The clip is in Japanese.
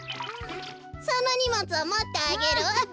そのにもつをもってあげるわべ。